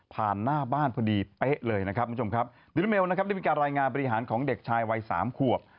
ผ่านหน้าบ้านพอดีเป๊ะเลยนะครับมีการรายงานปฏิหารของเด็กชายวัย๓ควบ